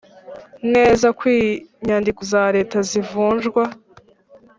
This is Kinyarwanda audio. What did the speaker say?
neza kw inyandiko za Leta zivunjwa